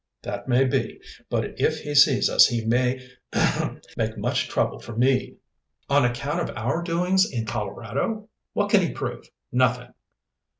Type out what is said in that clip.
"That may be, but if he sees us he may ahem make much trouble for me." "On account of our doings in Colorado? What can he prove? Nothing."